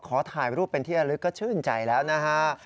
ขอถ่ายรูปเป็นที่ระลึกก็ชื่นใจแล้วนะฮะ